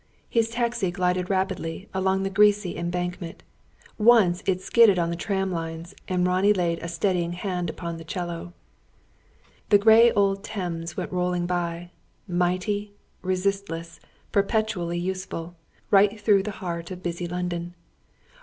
His taxi glided rapidly along the greasy Embankment. Once it skidded on the tramlines, and Ronnie laid a steadying hand upon the 'cello. The grey old Thames went rolling by mighty, resistless, perpetually useful right through the heart of busy London.